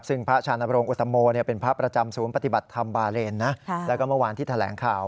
ซึ่งพระชานบรงอุตโมเป็นพระประจำศูนย์ปฏิบัติธรรมบาเรนนะแล้วก็เมื่อวานที่แถลงข่าว